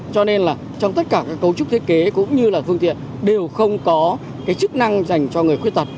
cho nên là trong tất cả các cấu trúc thiết kế cũng như là phương tiện đều không có chức năng dành cho người khuyết tật